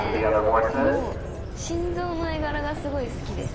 この心臓の絵柄がすごい好きです。